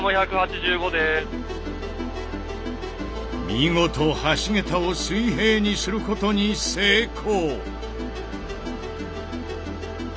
見事橋桁を水平にすることに成功！